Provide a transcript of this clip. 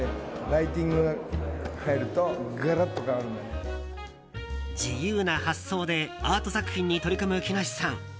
ライティングが入ると自由な発想でアート作品に取り組む木梨さん。